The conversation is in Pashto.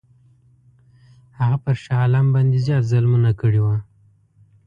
هغه پر شاه عالم باندي زیات ظلمونه کړي وه.